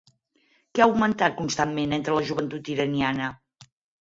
Què ha augmentat constantment entre la joventut iraniana?